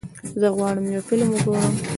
زه غواړم یو فلم وګورم.